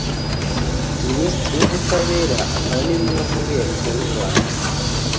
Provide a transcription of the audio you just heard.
Minisitiri w’Ubutabera akaba n’Intumwa Nkuru ya Leta y’u Rwanda